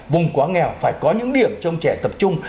vùng quá nghèo phải có những điểm trong trẻ tập trung